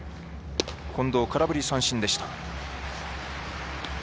近藤、空振り三振でした。